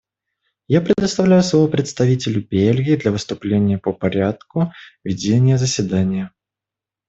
Я предоставляю слово представителю Бельгии для выступления по порядку ведения заседания.